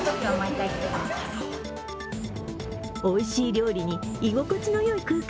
おいしい料理に居心地のいい空間。